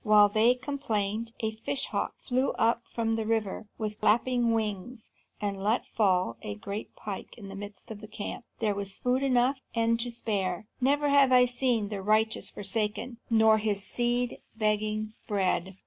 While they complained, a fish hawk flew up from the river with flapping wings, and let fall a great pike in the midst of the camp. There was food enough and to spare. Never have I seen the righteous forsaken, nor his seed begging bread."